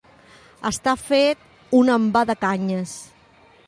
Estar fet un envà de canyes.